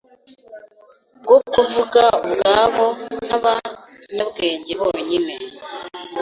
bwo kuvuga ubwabo nkabanyabwenge bonyine